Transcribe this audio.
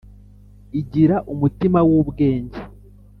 igira umutima w’ ubwenge